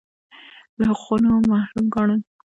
له حقونو محروم ګاڼه